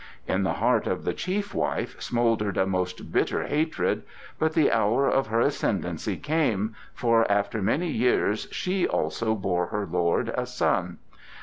In the heart of the chief wife smouldered a most bitter hatred, but the hour of her ascendancy came, for after many years she also bore her lord a son.